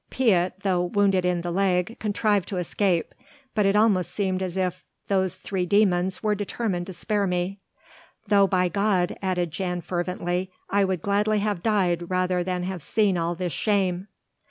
Piet, though wounded in the leg, contrived to escape, but it almost seemed as if those three demons were determined to spare me. Though by God," added Jan fervently, "I would gladly have died rather than have seen all this shame!